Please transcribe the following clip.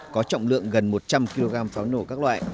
có trọng lượng gần một trăm linh kg pháo nổ các loại